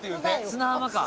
砂浜か。